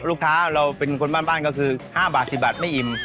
เราเป็นคนบ้านก็คือ๕บาท๑๐บาทไม่อิ่ม